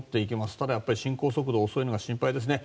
ただ、進行速度が遅いのが心配ですね。